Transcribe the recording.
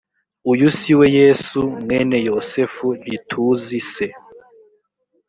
uyu si we yesu mwene yosefu ntituzi se